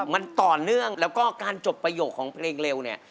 มันต่อเนื่องแล้วก็การจบประโยคของเพลงเร็วเนี่ย